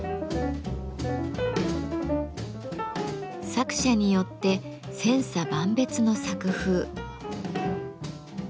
作者によって千差万別の作風。